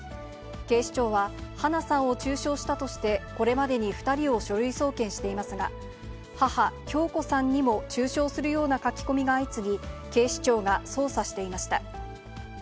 警視庁は、花さんを中傷したとして、これまでに２人を書類送検していますが、母、響子さんにも中傷するような書き込みが相次ぎ、警視庁が捜査していました。